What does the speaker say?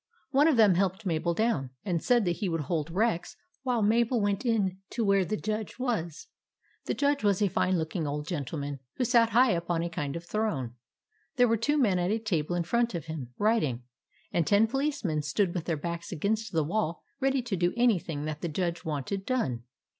One of them helped Mabel down, and said that he would hold Rex while Mabel went in to where the Judge was. The Judge was a fine looking old gentle man who sat high up on a kind of throne. There were two men at a table in front of him, writing, and ten policemen stood with their backs against the wall ready to do anything that the Judge wanted done.